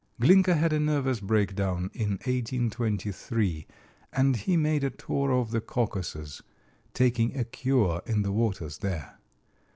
Glinka had a nervous breakdown in 1823, and he made a tour of the Caucasus, taking a cure in the waters there.